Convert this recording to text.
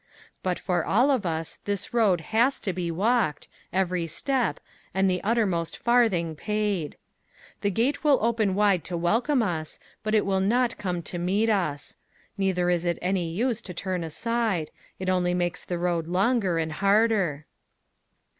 But for all of us the road has to be walked, every step, and the uttermost farthing paid. The gate will open wide to welcome us, but it will not come to meet us. Neither is it any use to turn aside; it only makes the road longer and harder.